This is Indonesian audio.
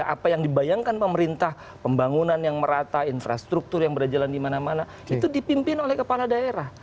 apa yang dibayangkan pemerintah pembangunan yang merata infrastruktur yang berjalan di mana mana itu dipimpin oleh kepala daerah